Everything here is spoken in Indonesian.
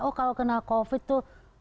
oh kalau kena covid tuh